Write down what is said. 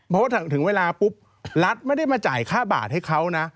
เพราะว่าถึงเวลาปุ๊บรัฐไม่ได้มาจ่ายค่าบาทให้เขานะ